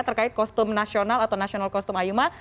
terkait kostum nasional atau national kostum ayuma